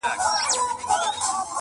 د شګوفو د پسرلیو وطن!